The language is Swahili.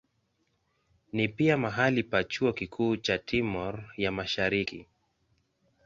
Ni pia mahali pa chuo kikuu cha Timor ya Mashariki.